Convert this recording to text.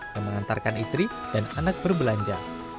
yang mengantarkan istri dan anak berbelanja